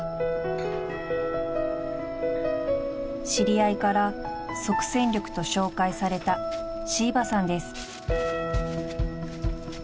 ［知り合いから即戦力と紹介された椎葉さんです］